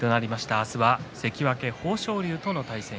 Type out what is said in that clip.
明日は関脇豊昇龍との対戦。